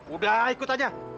udah ikut aja